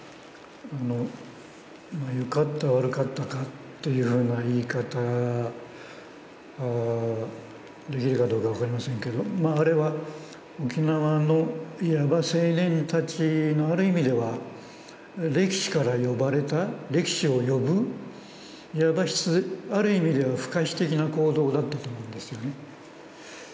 よかった悪かったかというふうな言い方をできるかどうか分かりませんけれども、あれは沖縄のいわば青年たちのある意味では歴史から呼ばれた、歴史を呼ぶ、ある意味では不可避的な行動だったと思うんですよね。